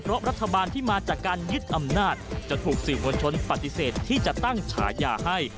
เพราะรัฐบาลที่มาจากการยึดอำนาจจะถูกสื่อมวลชนปฏิเสธที่จะตั้งฉายาให้